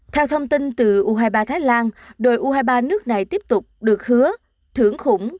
theo thông tin từ u hai mươi ba thái lan đội u hai mươi ba nước này tiếp tục được hứa thưởng khủng